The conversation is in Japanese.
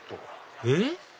えっ？